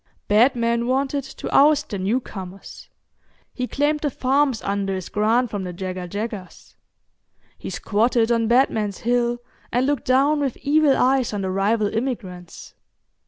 Batman wanted to oust the newcomers; he claimed the farms under his grant from the Jagga Jaggas. He squatted on Batman's Hill, and looked down with evil eyes on the rival immigrants.